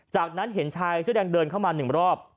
จากนั้นเห็นชายเสื้อแดงเดินเข้ามาหนึ่งรอบ